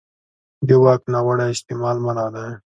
د واک ناوړه استعمال منع دی.